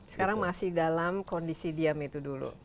sekarang masih dalam kondisi diam itu dulu